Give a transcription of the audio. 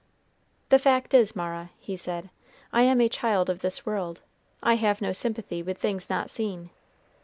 "The fact is, Mara," he said, "I am a child of this world. I have no sympathy with things not seen.